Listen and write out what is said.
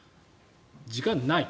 時間ない？